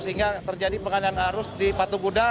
sehingga terjadi pengamanan arus di patung guda